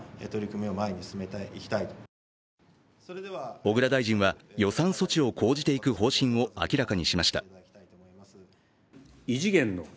小倉大臣は予算措置を講じていく方針を明らかにしました。